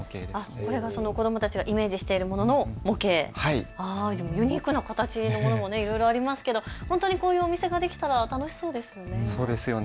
これが子どもたちがイメージしているものの模型、ユニークな形のものもいろいろありますけれども本当にこういうお店ができたら楽しくそうですよね。